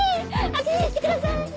握手してください！